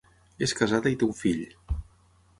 És casada i té un fill.